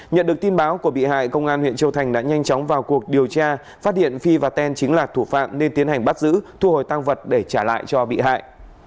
nhận được tin báo của bị hại công an huyện châu thành đã nhanh chóng vào cuộc điều tra phát hiện phi và tên chính là thủ phạm nên tiến hành bắt giữ thu hồi tăng vật để trả lại cho bị hại